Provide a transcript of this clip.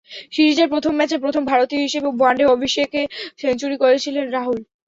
সিরিজের প্রথম ম্যাচে প্রথম ভারতীয় হিসেবে ওয়ানডে অভিষেকে সেঞ্চুরি করেছিলেন রাহুল।